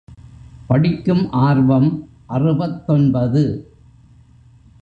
படிக்கும் ஆர்வம் அறுபத்தொன்பது.